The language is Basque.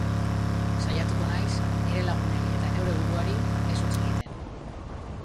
Saiatuko naiz nire lagunei eta neure buruari ez huts egiten.